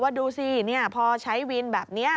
ดูสิพอใช้วินแบบนี้